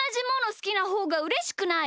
すきなほうがうれしくない？